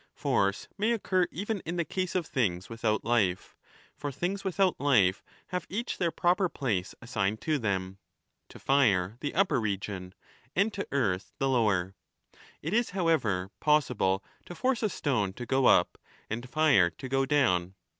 Force may occur even in the case of things without life. For things without life have each their proper place assigned to them — to fire the upper region and to earth the lower. It is, however, possible to 5 force a stone to go up and fire to go down.